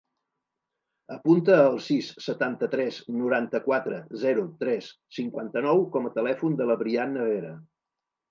Apunta el sis, setanta-tres, noranta-quatre, zero, tres, cinquanta-nou com a telèfon de la Brianna Vera.